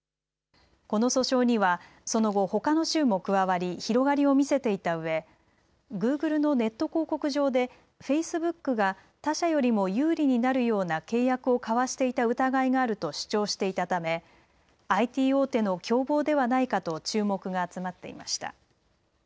この訴訟にはその後、ほかの州も加わり、広がりを見せていたうえグーグルのネット広告上でフェイスブックが他社よりも有利になるような契約を交わしていた疑いがあると主張していたためＩＴ大手の共謀ではないかと注目が集まっていました。